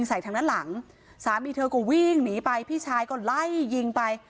ทางด้านหลังสามีเธอก็วิ่งหนีไปพี่ชายก็ไล่ยิงไป